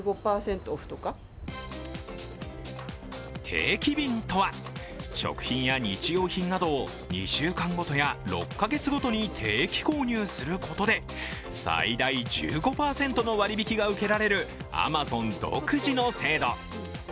定期便とは、食品や日用品などを２週間ごとや６カ月ごとに定期購入することで最大１５％の割引きが受けられるアマゾン独自の制度。